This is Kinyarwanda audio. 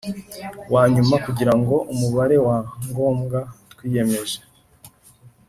Wa nyuma kugira ngo umubare wa ngombwa twiyemeje